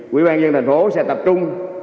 quỹ ban dân tp hcm sẽ tập trung